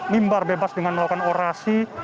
mimbar bebas dengan melakukan orasi